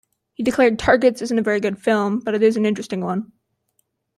He declared, 'Targets' isn't a very good film, but it is an interesting one.